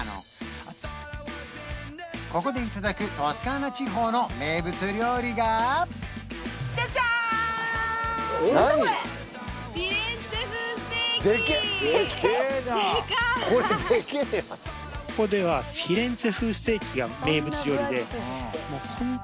ここでいただくトスカーナ地方の名物料理がジャジャーン！